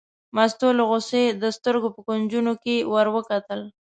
مستو له غوسې د سترګو په کونجو کې ور وکتل.